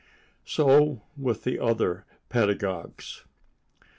So with the other pedagogues.